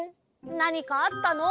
なにかあったの？